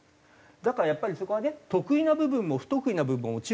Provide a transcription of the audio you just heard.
だからやっぱりそこはね得意な部分も不得意な部分も中国ある。